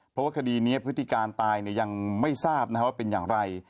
เพราะว่าคดีนี้พฤติการตายยังไม่ทราบว่าเป็นอย่างไร